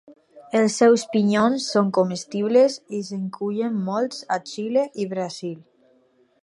Els seus pinyons són comestibles i se'n cullen molts a Xile i Brasil.